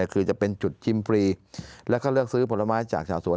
คือจะเป็นจุดชิมฟรีแล้วก็เลือกซื้อผลไม้จากชาวสวน